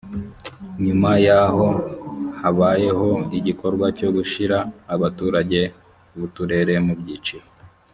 nyuma y’aho habayeho igikorwa cyo gushyira abaturage b’uturere mu byiciro